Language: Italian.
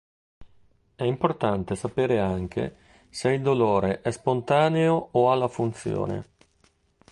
È importante sapere anche se il dolore è spontaneo o alla funzione.